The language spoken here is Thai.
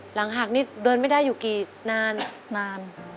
หลังหักนี่เดินไม่ได้อยู่กี่นานนาน